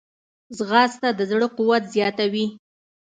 ځغاسته د زړه قوت زیاتوي